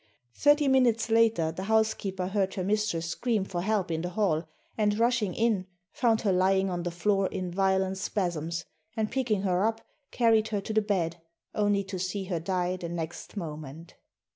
Thirty minutes later the housekeeper heard her mistress scream for help in the hall, and rushing in found her lying on the floor in violent spasms, and picking her up carried her to the bed, only to see her die the next moment.